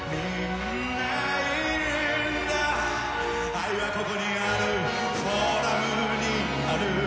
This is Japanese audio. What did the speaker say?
「愛はここにあるフォーラムにある」